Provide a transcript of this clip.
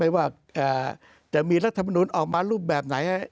ว่าจะมีรัฐมนุนออกมารูปแบบไหน